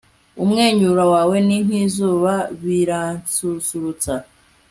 umwenyura wawe ni nk'izuba, biransusurutsa